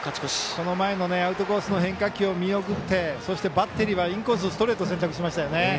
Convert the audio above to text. この前のアウトコースの変化球を見送ってそしてバッテリーはインコースのストレートを選択しましたよね。